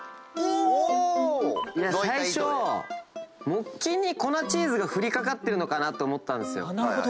最初木琴に粉チーズが振り掛かってるのかなと思ったんですよ。